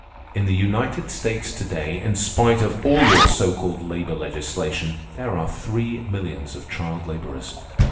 In the United States to day, in spite of all your so called labor legislation, there are three millions of child laborers.